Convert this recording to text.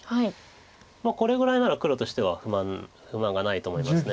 これぐらいなら黒としては不満がないと思います。